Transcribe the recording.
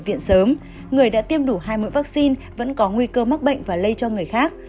viện sớm người đã tiêm đủ hai mũi vaccine vẫn có nguy cơ mắc bệnh và lây cho người khác